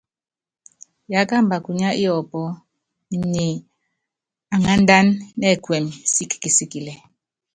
Yákamba kunya yɔpɔ́, inyi anándána nɛkuɛmɛ sikikisikilɛ.